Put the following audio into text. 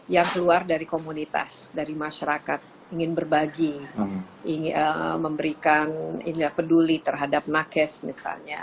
yang keluar dari komunitas dari masyarakat ingin berbagi memberikan peduli terhadap nakes misalnya